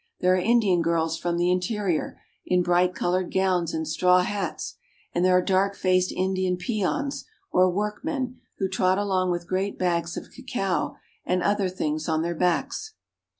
There are Indian girls from the interior, in bright colored gowns and straw hats, and there are dark faced Indian peons, or workmen, who trot along with great bags of cacao and other things on their backs.